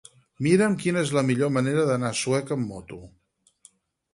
Mira'm quina és la millor manera d'anar a Sueca amb moto.